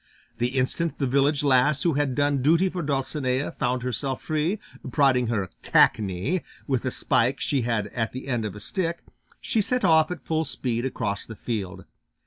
The instant the village lass who had done duty for Dulcinea found herself free, prodding her "cackney" with a spike she had at the end of a stick, she set off at full speed across the field.